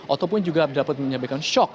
ataupun juga dapat menyampaikan shock